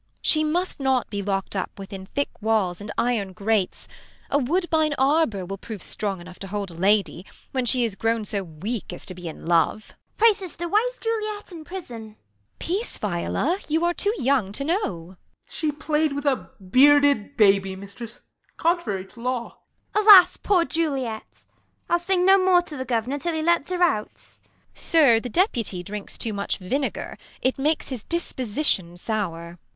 She must not be lockt up within thick walls And iron grates : a wood1)ine arbour will Prove strong enough to hold a lady, when She is grown so weak as to be in love. Vioii. Pray, sister, why is Juliet in prison ? Beat. Peace, Viola, you are too young to know. Ben. She play'd with a bearded baby, mistress. Contrary to law. Viol. Alas, poor Juliet ! I'll sing no more To the governor, till he lets her out. Beat. Sir, the deputy drinks too much vinegar ; THE LAW AGAINST LOVERS. 137 It makes his disposition sour.